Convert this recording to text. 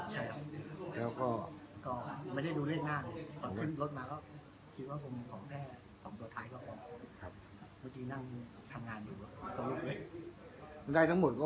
แบบนี้ก็เรียกเถอะ